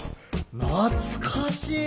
懐かしい。